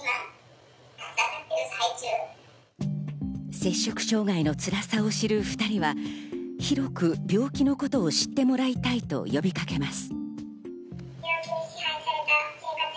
摂食障害のつらさを知る２人は、広く病気の事を知ってもらいたいと呼びかけます。